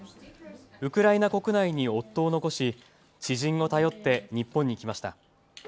ウクライナ国内に夫を残し知人を頼って日本に来ました。